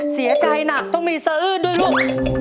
เสียใจหนักต้องมีสะอื้นด้วยลูก